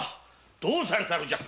どうされたのじゃ？